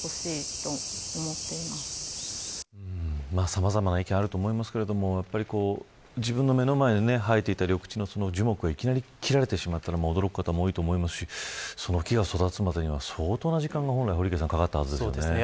さまざまな意見があると思いますが自分の目の前に生えていた緑地の樹木がいきなり切られてしまったら、驚く方も多いと思いますしその木が育つまでには相当な時間がかかったはずですよね。